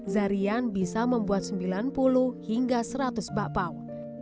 zahrian bisa membuat sembilan puluh hingga seratus bakpau